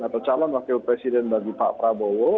atau calon wakil presiden bagi pak prabowo